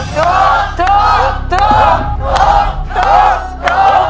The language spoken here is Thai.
ถูก